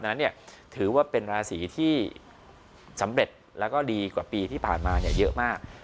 ดังนั้นเนี่ยถือว่าเป็นราศีที่สำเร็จและก็ดีกว่าปีที่ผ่านมาเนี่ยเยอะมาก